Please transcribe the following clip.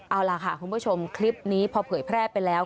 เอาล่ะค่ะคุณผู้ชมคลิปนี้พอเผยแพร่ไปแล้ว